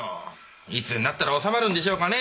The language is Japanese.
いつになったら収まるんでしょうかね